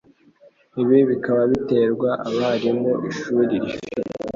ibi bikaba biterwa 'abarimu ishuri rifite.